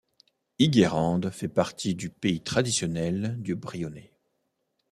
Iguerande fait partie du pays traditionnel du Brionnais.